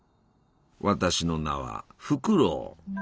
私の名はフクロウ。